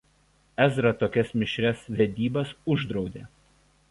Ezra tokias mišrias vedybas uždraudė.